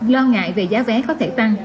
lo ngại về giá vé có thể tăng